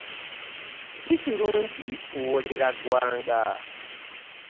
Si kirungi kuwoolera gwanga.